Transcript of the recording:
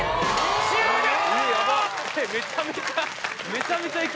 めちゃめちゃ。